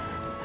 aku mau jalan